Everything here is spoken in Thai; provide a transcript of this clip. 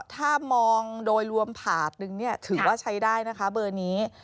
ถ้ามองโดยรวมผาดนึงถือว่าใช้ได้นะคะเบอร์นี้